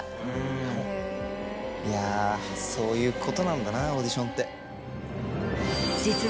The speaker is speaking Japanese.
いやそういうことなんだなオーディションって。